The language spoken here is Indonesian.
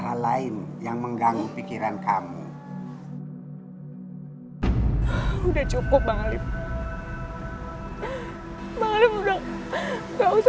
yang lain yang mengganggu pikiran kamu udah cukup balik kalau kita berjodoh pasti kita